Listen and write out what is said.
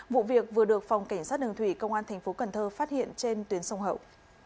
vụ việc vừa được phòng cảnh sát đường thủy công an tp cn phát hiện trên tuyến sông hậu